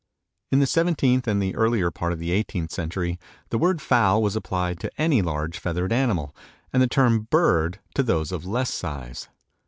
In the seventeenth and the earlier part of the eighteenth century, the word fowl was applied to any large feathered animal and the term bird to those of less size.